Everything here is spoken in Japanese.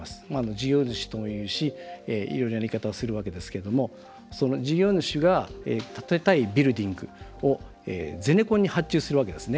事業主ともいうし、いろいろなやり方をするわけですが事業主が建てたいビルディングをゼネコンに発注するわけです。